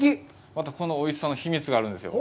またこのおいしさの秘密があるんですよ。